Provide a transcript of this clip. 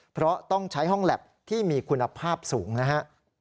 เพราะต้องใช้ห้องแล็บที่มีคุณภาพสูงนะฮะ